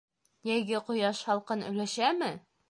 Йәйге ҡояш һалҡын өләшәме?